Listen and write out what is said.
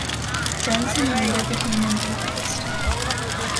Jensen later became an atheist.